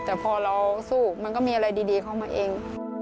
แต่พอเราสู้มันก็มีอะไรดีเข้ามาเอง